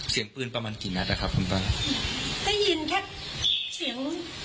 เสียงปืนประมาณกี่นัดอะครับคุณป้าได้ยินแค่เสียง